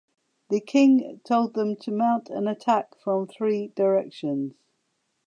The king told them to mount an attack from three directions.